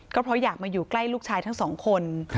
ก็เพราะอยากมาอยู่ใกล้ลูกชายทั้งสองคน